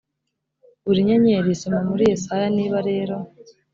buri nyenyeri soma muri yesaya niba rero